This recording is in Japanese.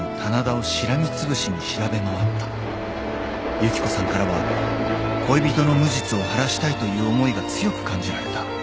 ［由紀子さんからは恋人の無実を晴らしたいという思いが強く感じられた］